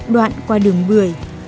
đoạn qua đường bưởi